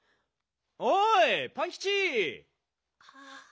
おいパンキチ！